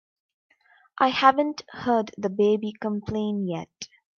I haven't heard the baby complain yet.